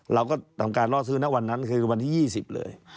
เราก็ทำการล่อซื้อนะวันนั้นคือวันที่๒๐เลย